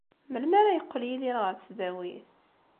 Melmi ara yeqqel Yidir ɣer tesdawit?